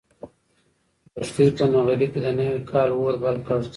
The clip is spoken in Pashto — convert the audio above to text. لښتې په نغري کې د نوي کال اور بل کړ.